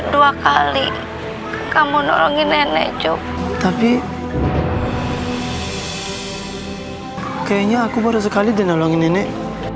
dua kali kamu nolongi nenek cuk tapi kayaknya aku baru sekali dan nolongi nenek